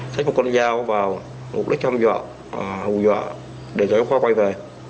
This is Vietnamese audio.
xách một con dao vào mục đích hâm dọa hù dọa để cho chị khoa quay về